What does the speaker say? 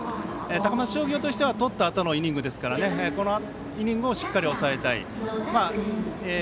高松商業としてはとったあとのイニングですからこのイニングをしっかり抑えたい。